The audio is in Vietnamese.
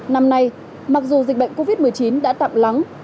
năm nay mặc dù dịch bệnh covid một mươi chín đã tạm lắng